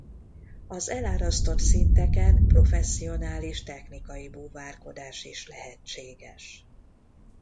Az elárasztott szinteken professzionális technikai búvárkodás is lehetséges.